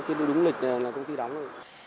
cái đúng lịch là công ty đóng rồi